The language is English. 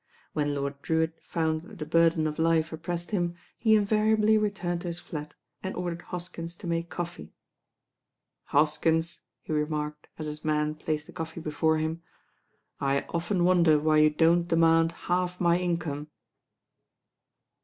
When Lord Drewitt found that the burden of life oppressed him, he in variably returned to his flat and ordered Hoskins to make coffee. "Hoskins," he remarked, as his man placed the coffee before him, "I often wonder why you don't demand half my income."